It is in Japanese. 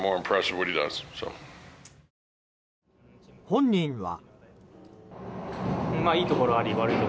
本人は。